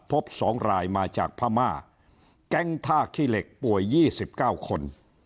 พบสองรายมาจากพม่าแก๊งท่าขี้เหล็กป่วยยี่สิบเก้าคน